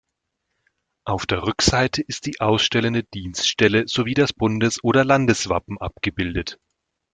Auf der Rückseite ist die ausstellende Dienststelle sowie das Bundes- oder Landeswappen abgebildet.